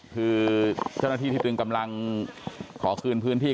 คือเจ้าหน้าที่ที่ตึงกำลังขอคืนพื้นที่